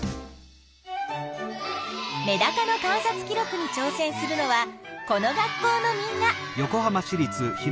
メダカの観察記録にちょう戦するのはこの学校のみんな。